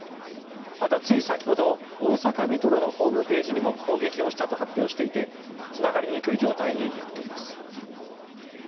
またつい先ほど大阪メトロのホームページにも攻撃をしたと発表していてつながりにくい状態になっています。